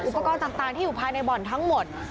อุปกรณ์ต่างที่อยู่ภายในบ่อนทั้งหมด